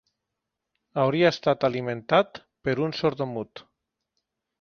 Hauria estat alimentat per un sordmut.